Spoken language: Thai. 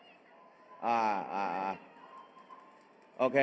ในความรักความสามัคคีของพวกเรานะครับ